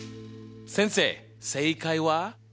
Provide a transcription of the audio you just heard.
先生正解は？